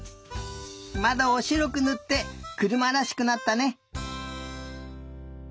まどをしろくぬってくるまらしくなったね。